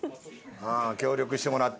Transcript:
協力してもらって。